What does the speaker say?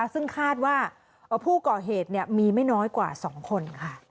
ซึ่งคาดว่าผู้ก่อเหตุมีไม่น้อยกว่า๒คน